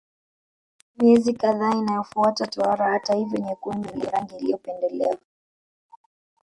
Miezi kadhaa inayofuata tohara hata hivyo nyekundu ni rangi iliyopendelewa